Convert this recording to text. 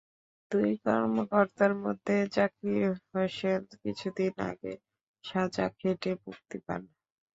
দুই কর্মকর্তার মধ্যে জাকির হোসেন কিছুদিন আগে সাজা খেটে মুক্তি পান।